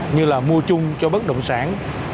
như là mua chung cho bất động sản